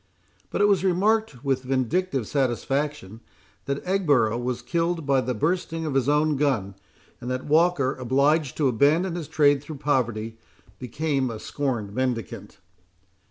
But it was remarked, with vindictive satisfaction, that Egborough was killed by the bursting of his own gun; and that Walker, obliged to abandon his trade through poverty, became a scorned mendicant.